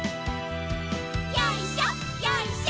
よいしょよいしょ。